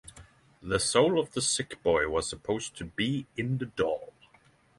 The soul of the sick boy was supposed to be in the doll.